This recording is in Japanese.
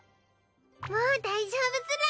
もう大丈夫ズラ。